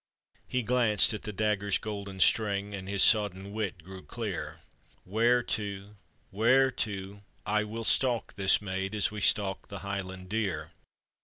He glanced at the dagger's golden string, And his sodden wit. grew clear; " Wear to, wear to, I will stalk this maid, As we stalk the Highland deer."